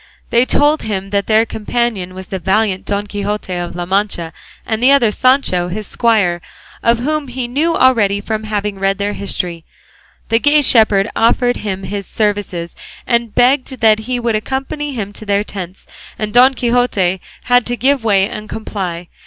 They told him that their companion was the valiant Don Quixote of La Mancha, and the other Sancho his squire, of whom he knew already from having read their history. The gay shepherd offered him his services and begged that he would accompany him to their tents, and Don Quixote had to give way and comply.